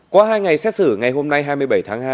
qua hai ngày xét xử ngày hôm nay hai mươi bảy tháng hai